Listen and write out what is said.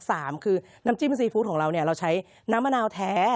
สามคือน้ำจิ้มซีฟู้ดของเราเนี่ยเราใช้น้ำมะนาวแท้